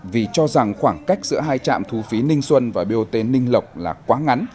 vì cho rằng khoảng cách giữa hai trạm thu phí ninh xuân và bot ninh lộc là quá ngắn